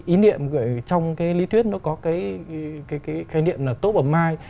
ý niệm trong cái lý thuyết nó có cái khái niệm là top of mind